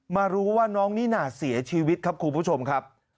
มารู้ว่าน้องนิน่าเสียชีวิตครับคุณผู้ชมครับ